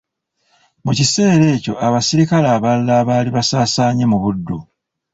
Mu kiseera ekyo abaserikale abalala abaali basaasaanye mu Buddu.